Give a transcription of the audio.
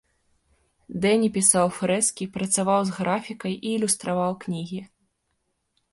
Дэні пісаў фрэскі, працаваў з графікай і ілюстраваў кнігі.